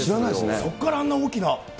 そこからあんな大きな。